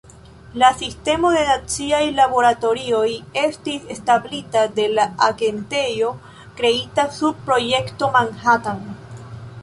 La Sistemo de Naciaj Laboratorioj estis establita de la agentejo kreita sub Projekto Manhattan.